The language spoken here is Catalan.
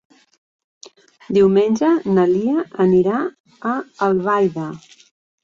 Diumenge na Lia anirà a Albaida.